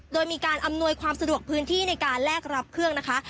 โดยมีการอำนวยความสะดวกพื้นที่ในการแลกรับเครื่องนะคะ